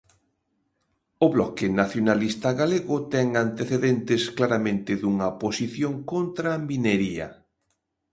O Bloque Nacionalista Galego ten antecedentes claramente dunha posición contra a minería.